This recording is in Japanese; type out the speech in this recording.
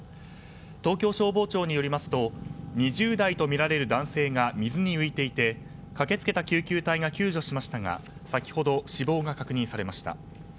東京消防庁によりますと２０代とみられる男性が水に浮いていて駆け付けた救急隊が救助しましたが先ほど死亡が確認されました。